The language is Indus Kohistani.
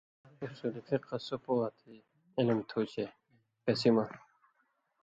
اُصول فِقہ سُو پوہہۡ تھی (عِلم تھُو) چےکسی مہ